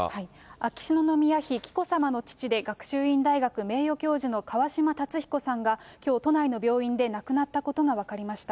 秋篠宮妃紀子さまの父で、学習院大学名誉教授の川嶋辰彦さんが、きょう、都内の病院で亡くなったことが分かりました。